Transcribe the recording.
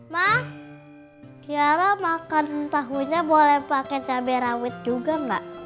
mak kiara makan tahunya boleh pakai cabai rawit juga mbak